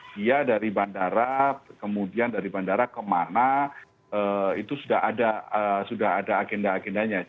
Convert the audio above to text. dia dari bandara kemudian dari bandara kemana itu sudah ada agenda agendanya